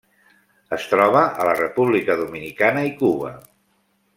Es troba a la República Dominicana i Cuba.